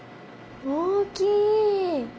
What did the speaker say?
大きい！